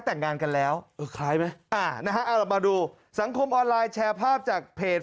แต่งงานกันแล้วเออคล้ายไหมอ่านะฮะเอาเรามาดูสังคมออนไลน์แชร์ภาพจากเพจ